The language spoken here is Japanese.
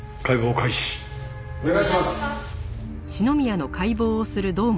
お願いします。